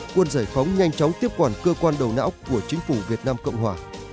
quân giải phóng nhanh chóng tiếp quản cơ quan đầu não của chính phủ việt nam cộng hòa